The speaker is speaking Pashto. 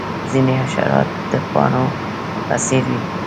ځینې حشرات د پاڼو په څیر وي